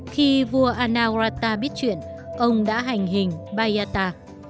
khi vua anagwarta biết chuyện ông đã hành hình biatta